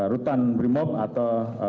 rutan brimob atau